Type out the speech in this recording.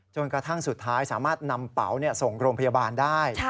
จนกระทั่งสุดท้ายสามารถนำเป๋าส่งโรงพยาบาลได้